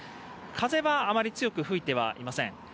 風はあまり強く吹いてはいません。